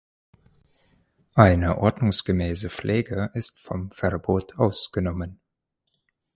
Eine ordnungsgemäße Pflege ist vom Verbot ausgenommen.